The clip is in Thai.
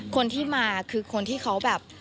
คนที่มาคือคนที่เขาแบบ